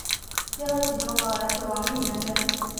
最后景忠和儿子亡命能登。